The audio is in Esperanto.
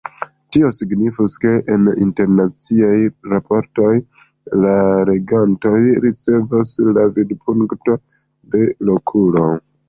Tio signifus, ke en internaciaj raportoj la legantoj ricevos la vidpunkton de lokulo.